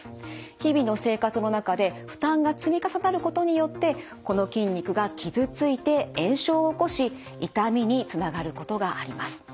日々の生活の中で負担が積み重なることによってこの筋肉が傷ついて炎症を起こし痛みにつながることがあります。